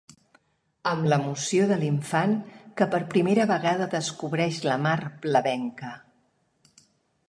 Amb l’emoció de l’infant que per primera vegada descobreix la mar blavenca.